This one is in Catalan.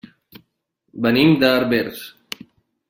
Venim de Herbers.